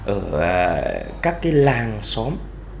ở các cái làng xóm